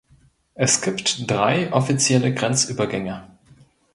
Es gibt drei offizielle Grenzübergänge.